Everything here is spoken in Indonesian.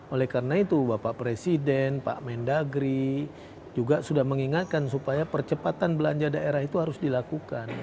oleh karena itu bapak presiden pak mendagri juga sudah mengingatkan supaya percepatan belanja daerah itu harus dilakukan